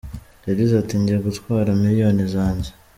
Yagize ati :"Nje gutwara miliyoni zanjye.